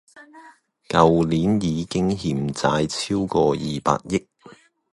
舊年已經欠債超過二百億